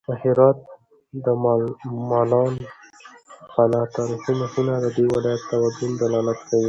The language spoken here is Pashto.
د هرات د مالان پله تاریخي مخینه د دې ولایت په تمدن دلالت کوي.